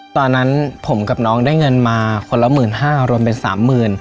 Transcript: ตอนนั้นผมกับน้องได้เงินมาคนละหมื่นห้ารวมเป็นสามหมื่น